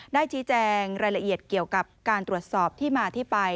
ได้ชี้แจงรายละเอียดเกี่ยวกับการตรวจสอบที่มาที่ไป